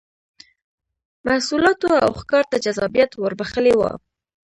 محصولاتو او ښکار ته جذابیت ور بخښلی و